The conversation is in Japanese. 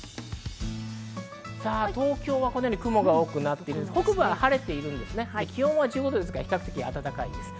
東京は雲が多くなっていますが、北部は晴れています、気温は１５度、比較的暖かいです。